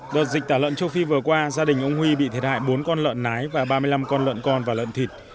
đợt dịch tả lợn châu phi vừa qua gia đình ông huy bị thiệt hại bốn con lợn nái và ba mươi năm con lợn con và lợn thịt